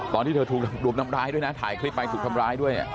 ตอนที่เธอถูกรุมทำร้ายด้วยนะถ่ายคลิปไปถูกทำร้ายด้วย